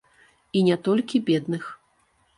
І не толькі бедных.